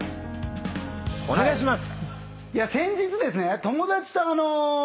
お願いします。